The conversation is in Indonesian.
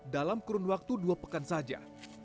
dalam kurun waktu dua pekan saja